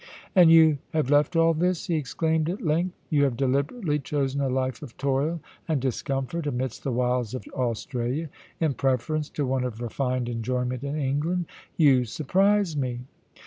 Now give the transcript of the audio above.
* And you have left all this !* he exclaimed at length. * You have deliberately chosen a life of toil and discomfort amidst the wilds of Australia in preference to one of refined enjoyment in England ! You surprise me.'